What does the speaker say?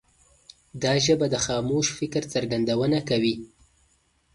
دا ژبه د خاموش فکر څرګندونه کوي.